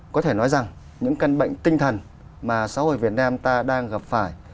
có thể nói rằng những căn bệnh tinh thần mà xã hội việt nam ta đang gặp phải